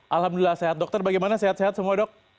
alhamdulillah sehat dokter bagaimana sehat sehat semua dok